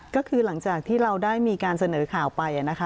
ก็คือหลังจากที่เราได้มีการเสนอข่าวไปนะคะ